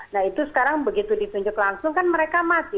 nah itu sekarang begitu ditunjuk langsung kan mereka mati